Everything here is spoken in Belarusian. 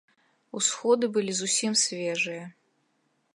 Усходы былі зусім свежыя.